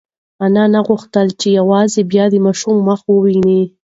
انا غوښتل چې یو ځل بیا د ماشوم مخ وویني.